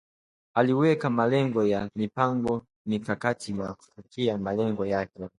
aliweka malengo na mipango mikakati ya kufikia malengo yake